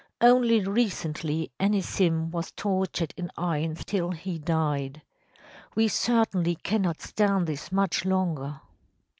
Only recently Anisim was tortured in irons till he died. We certainly cannot stand this much longer.